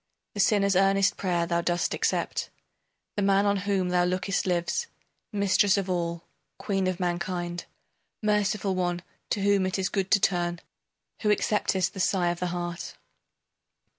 The sinner's earnest prayer thou dost accept, The man on whom thou lookest lives, Mistress of all, queen of mankind, Merciful one, to whom it is good to turn, Who acceptest the sigh of the heart.